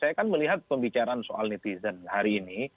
saya kan melihat pembicaraan soal netizen hari ini